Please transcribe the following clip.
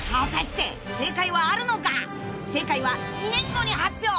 正解は２年後に発表！］